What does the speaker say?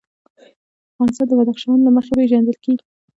افغانستان د بدخشان له مخې پېژندل کېږي.